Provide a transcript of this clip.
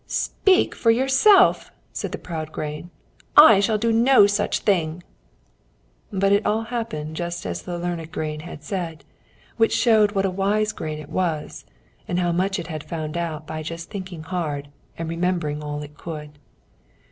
"Speak for yourself," said the proud grain; "I shall do no such thing!" But it all happened just as the learned grain had said, which showed what a wise grain it was, and how much it had found out just by thinking hard and remembering all it could.